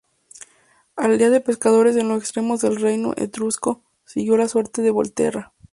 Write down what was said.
Aldea de pescadores en los extremos del reino etrusco, siguió la suerte de Volterra.